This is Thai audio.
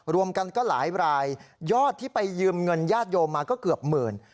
รวมกันก็หลายรายยอดที่ไปยืมเงินญาติโยมมาก็เกือบหมื่น